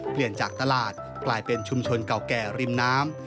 เปลี่ยนจากตลาดกลายเป็นชุมชนเก่าแก่ริมน้ำ